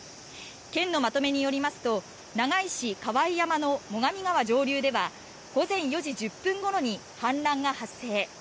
県のまとめによりますと長井市・河井山の最上川上流では午前４時１０分ごろに氾濫が発生。